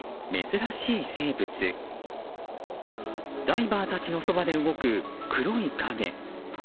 ダイバーたちのそばで動く黒い影。